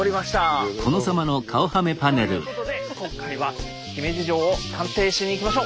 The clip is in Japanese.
いろいろやってくるねえ。ということで今回は姫路城を探偵しに行きましょう。